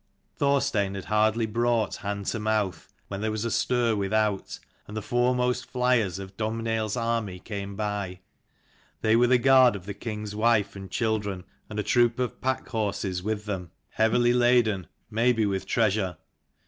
Thorstein had hardly brought hand to mouth, when there was a stir without, and the foremost flyers of DomhnaiU's army came by. They were the guard of the king's wife and children, and a troop of pack horses with 291 them, heavily laden, maybe with treasure.